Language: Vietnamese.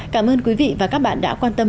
cảm ơn quý vị và các bạn đã quan tâm